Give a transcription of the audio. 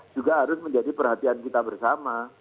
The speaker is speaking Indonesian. juga harus menjadi perhatian kita bersama